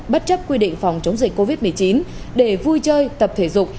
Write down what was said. bất chấp quy định phòng chống dịch covid một mươi chín để vui chơi tập thể dục